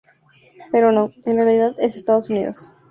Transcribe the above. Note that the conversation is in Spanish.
Pero no, en realidad es Estados Unidos.